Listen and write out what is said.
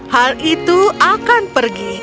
hal itu akan pergi